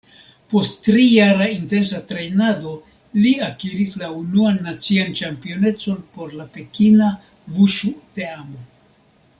Post trijara intensa trejnado, Li akiris la unuan nacian ĉampionecon por la Pekina vuŝu-teamo.